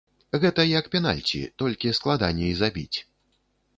Гэта як пенальці, толькі складаней забіць.